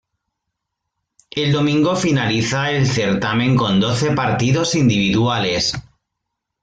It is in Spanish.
El domingo finaliza el certamen con doce partidos individuales.